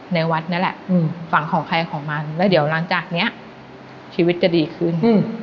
ในวัดนั่นแหละฝั่งของใครของมันแล้วเดี๋ยวหลังจากนี้ชีวิตจะดีขึ้น